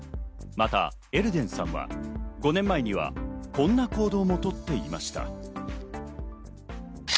またエルデンさんは５年前にはこんな行動もとっていました。